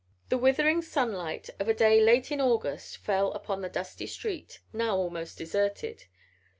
The withering sunlight of a day late in August fell upon the dusty street, now almost deserted.